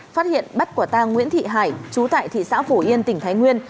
phát hiện bắt quả tang nguyễn thị hải chú tại thị xã phổ yên tỉnh thái nguyên